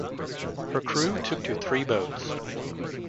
Her crew took to three boats.